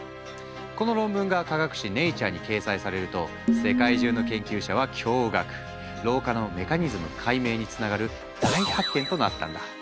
この論文が科学誌「Ｎａｔｕｒｅ」に掲載されると老化のメカニズム解明につながる大発見となったんだ。